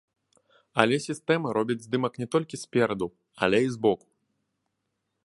Але сістэма робіць здымак не толькі спераду, але і збоку.